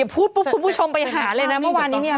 พูดปุ๊บผู้ชมไปหาเลยนะเมื่อวานนี้มีอะไร